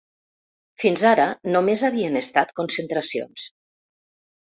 Fins ara només havien estat concentracions.